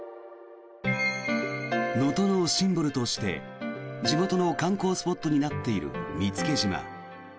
能登のシンボルとして地元の観光スポットになっている見附島。